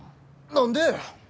何で。